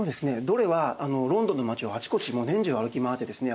ドレはロンドンの街をあちこち年中歩き回ってですね